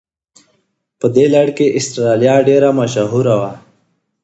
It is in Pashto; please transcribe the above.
په دې لړ کې استرالیا ډېره مشهوره وه.